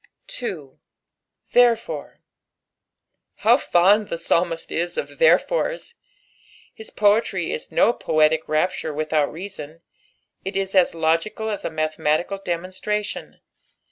S. " Ther^Oft." How fond the psalmist ia of therefores I his poetry is no poetic rapture without reason, it is as logical aa a matheinatical demonstratimi.